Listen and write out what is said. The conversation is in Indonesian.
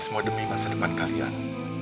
semua demi masa depan kalian